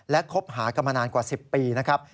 และคบหากันมานานกว่า๑๐ปีนะครับ